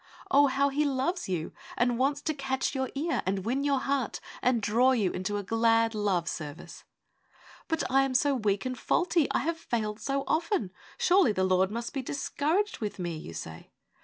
Oh, how He loves you, and wants to catch your ear, and win your heart, and draw you into a glad love service !' But I am so weak and faulty, I have failed so often. Surely, the Lord must be discouraged with me,' you say.